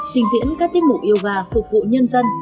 trình diễn các tiết mục yoga phục vụ nhân dân